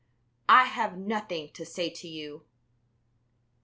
"I have nothing to say to you."